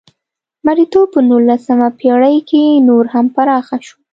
مریتوب په نولسمه پېړۍ کې نور هم پراخه شوه.